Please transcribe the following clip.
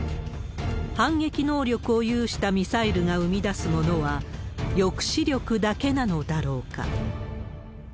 反撃能力を有したミサイルが生み出すものは、抑止力だけなのだろうか。